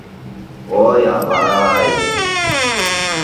— Ой, ава-ай...